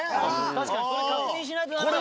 確かにこれ確認しないとダメだから。